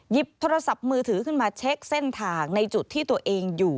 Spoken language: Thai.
หยิบโทรศัพท์มือถือขึ้นมาเช็คเส้นทางในจุดที่ตัวเองอยู่